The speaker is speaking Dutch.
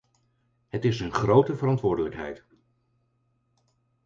Het is een grote verantwoordelijkheid.